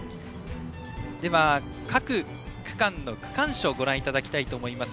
各区間の区間賞をご覧いただきたいと思います。